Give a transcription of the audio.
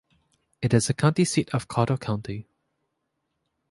It is the county seat of Cottle County.